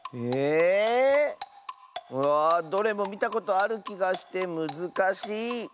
うわどれもみたことあるきがしてむずかし。